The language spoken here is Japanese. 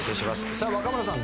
さあ若村さん。